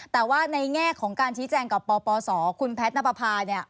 แต่ว่าในแง่ของการชี้แจงกับปปศคุณแพทย์นับประพาเนี่ย